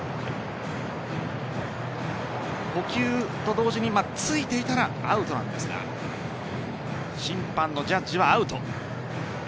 捕球と同時についていたらアウトなんですが審判のジャッジはアウト。